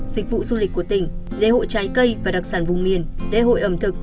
dịch vụ du lịch của tỉnh lễ hội trái cây và đặc sản vùng miền lễ hội ẩm thực